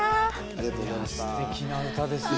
いやすてきな歌ですね。